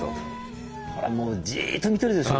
ほらもうじっと見てるでしょ